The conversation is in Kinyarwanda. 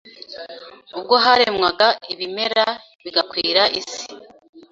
ubwo haremwaga ibimera bigakwira isi.